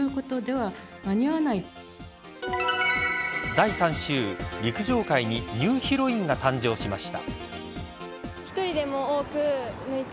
第３週陸上界にニューヒロインが誕生しました。